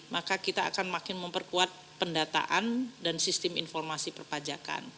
maka kita akan makin memperkuat pendataan dan sistem informasi perpajakan